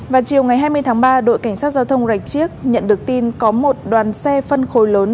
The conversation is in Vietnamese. vào chiều ngày hai mươi tháng ba đội cảnh sát giao thông rạch chiếc nhận được tin có một đoàn xe phân khối lớn